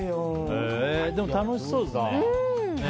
でも楽しそうですね。